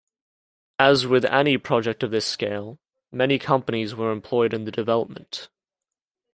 As with any project of this scale, many companies were employed in the development.